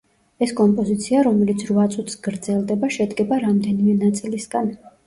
ეს კომპოზიცია, რომელიც რვა წუთს გრძელდება, შედგება რამდენიმე ნაწილისგან.